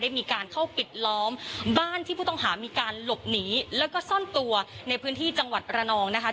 มีการเข้าปิดล้อมบ้านที่ผู้ต้องหามีการหลบหนีแล้วก็ซ่อนตัวในพื้นที่จังหวัดระนองนะคะ